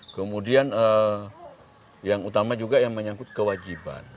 kemudian yang utama juga yang menyangkut kewajiban